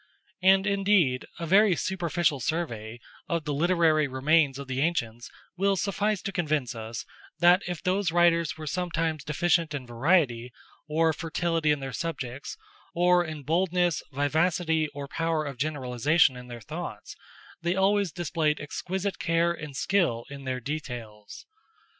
And indeed a very superficial survey of the literary remains of the ancients will suffice to convince us, that if those writers were sometimes deficient in variety, or fertility in their subjects, or in boldness, vivacity, or power of generalization in their thoughts, they always displayed exquisite care and skill in their details.